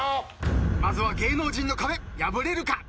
まずは芸能人の壁破れるか？